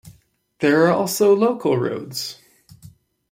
There are also local roads.